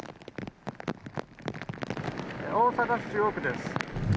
大阪市中央区です。